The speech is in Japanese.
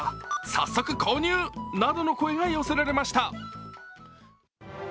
早速購入などの声が寄せられました。